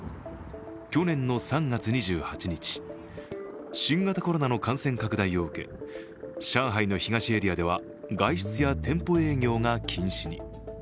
去年の３月２８日、新型コロナの感染拡大を受け、上海の東エリアでは外出や店舗営業が禁止に。